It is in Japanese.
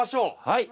はい。